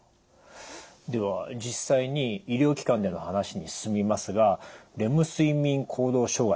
では実際に医療機関での話に進みますがレム睡眠行動障害